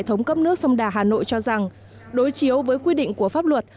hệ thống cấp nước sông đà hà nội cho rằng đối chiếu với quy định của pháp luật